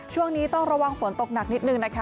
ช่วงนี้ต้องระวังฝนตกหนักนิดนึงนะคะ